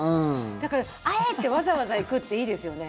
だから、あえてわざわざ行くっていいですよね。